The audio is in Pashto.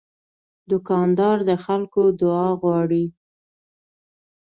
دوکاندار د خلکو دعا غواړي.